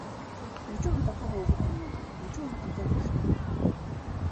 Нічога такога ў гэтым няма, нічога там залішняга.